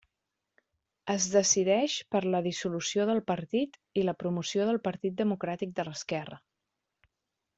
Es decideix per la dissolució del partit i la promoció del Partit Democràtic de l'Esquerra.